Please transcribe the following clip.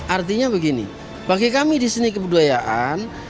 artinya begini bagi kami di seni kebudayaan